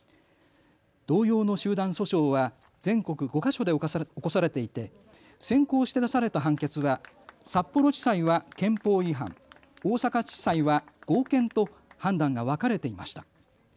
同様の集団訴訟は全国５か所で起こされていて先行して出された判決は札幌地裁は憲法違反、大阪地裁は合憲と判断が分かれていました。